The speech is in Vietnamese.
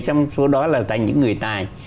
trong số đó là thành những người tài